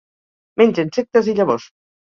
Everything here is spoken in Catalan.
Menja insectes i llavors.